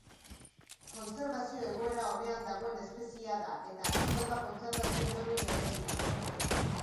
Kontserbazio-egoera onean dagoen espeziea da, eta ez dauka kontserbazio-neurri berezirik.